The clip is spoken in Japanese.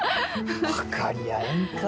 分かり合えんか。